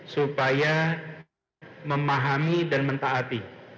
supaya memahami dan mentaati